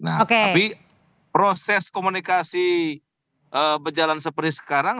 tapi proses komunikasi berjalan seperti sekarang